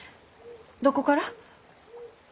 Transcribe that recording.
どこから？